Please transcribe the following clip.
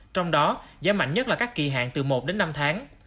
trong đó giảm mạnh nhất là các kỳ hạn từ một đến năm tháng